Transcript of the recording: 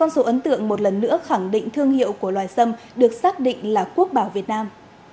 một số ấn tượng một lần nữa khẳng định thương hiệu của loài sâm được xác định là quốc bảo việt nam